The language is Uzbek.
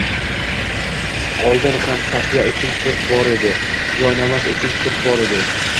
Oldin ham takya uchun surp bor edi. Joynamoz uchun surp bor edi.